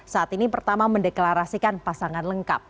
saat ini pertama mendeklarasikan pasangan lengkap